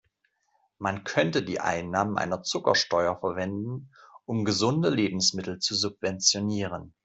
Man könnte die Einnahmen einer Zuckersteuer verwenden, um gesunde Lebensmittel zu subventionieren.